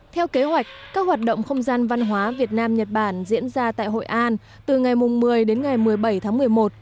theo kế hoạch các hoạt động không gian văn hóa việt nam nhật bản diễn ra tại hội an từ ngày một mươi đến ngày một mươi bảy tháng một mươi một